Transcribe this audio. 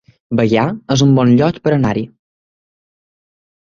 Bagà es un bon lloc per anar-hi